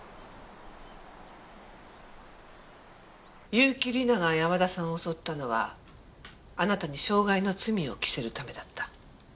結城里奈が山田さんを襲ったのはあなたに傷害の罪を着せるためだった。